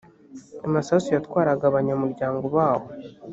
amasasu yatwaraga abanyamuryango bawo